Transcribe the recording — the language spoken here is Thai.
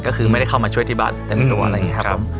ก็คือไม่ได้เข้ามาช่วยที่บ้านเต็มตัวอะไรอย่างนี้ครับผม